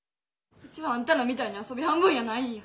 ウチはあんたらみたいに遊び半分やないんや！